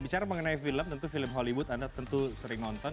bicara mengenai film tentu film hollywood anda tentu sering nonton